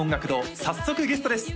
早速ゲストです